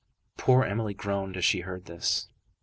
Poor Emily groaned as she heard this.